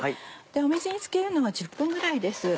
水に漬けるのは１０分ぐらいです。